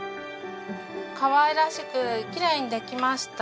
かわいらしくきれいにできました。